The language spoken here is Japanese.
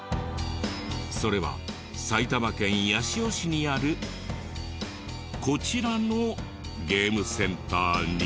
それは埼玉県八潮市にあるこちらのゲームセンターに。